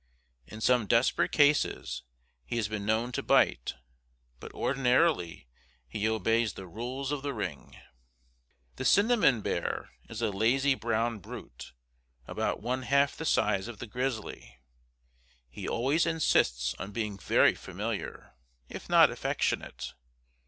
In some desperate cases he has been known to bite, but ordinarily he obeys "the rules of the ring." The cinnamon bear is a lazy brown brute, about one half the size of the grizzly. He always insists on being very familiar, if not affectionate.